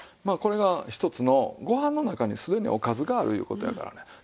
まあこれがひとつのご飯の中にすでにおかずがあるいう事やからね。